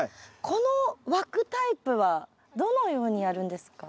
この枠タイプはどのようにやるんですか？